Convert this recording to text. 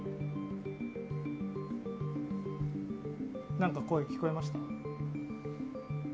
何か声、聞こえました？